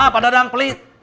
pak dadang pelit